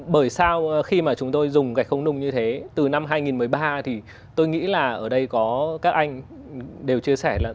bởi sao khi mà chúng tôi dùng gạch không nung như thế từ năm hai nghìn một mươi ba thì tôi nghĩ là ở đây có các anh đều chia sẻ là